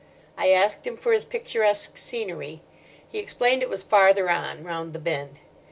I asked him for his picturesque scenery. He explained it was farther on, round the bend.